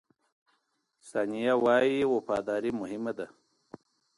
ثانیه وايي، وفاداري مهمه ده.